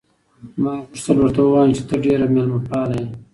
ما غوښتل ورته ووایم چې ته ډېره مېلمه پاله یې.